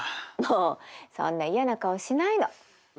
もうそんな嫌な顔しないの。